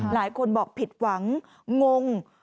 หลายคนบอกผิดหวังงง